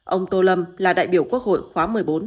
ông tô lâm là đại biểu quốc hội khóa một mươi bốn một mươi năm